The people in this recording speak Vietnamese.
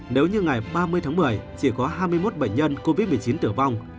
nếu như ngày ba mươi tháng một mươi chỉ có hai mươi một bệnh nhân covid một mươi chín tử vong